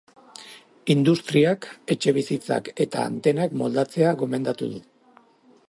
Industriak etxebizitzak eta antenak moldatzea gomendatu du.